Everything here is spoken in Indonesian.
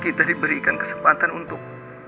kita diberikan kesempatan untuk